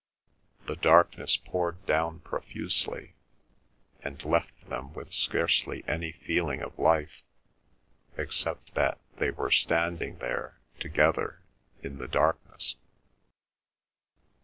The darkness poured down profusely, and left them with scarcely any feeling of life, except that they were standing there together in the darkness.